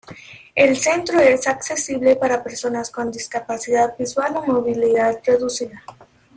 El Centro es accesible para personas con discapacidad visual ó movilidad reducida.